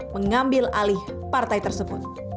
mengambil alih partai tersebut